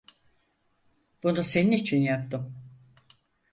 Bunu senin için yaptım.